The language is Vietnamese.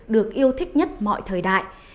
được yêu thích nhất mọi thời đại